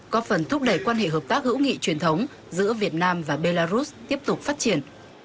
có phần thúc đẩy quan hệ hợp tác hữu nghị truyền thống giữa việt nam và belarus tiếp tục phát triển